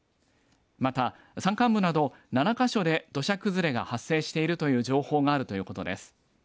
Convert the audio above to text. また山間部など７か所で土砂崩れが発生しているという情報があるということです。